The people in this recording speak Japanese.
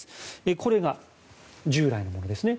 これが従来のですね。